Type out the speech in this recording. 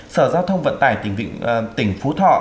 sở giao thông vận tài tỉnh phú thọ